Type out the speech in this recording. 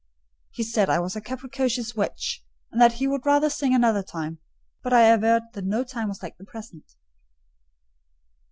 He said I was a capricious witch, and that he would rather sing another time; but I averred that no time was like the present.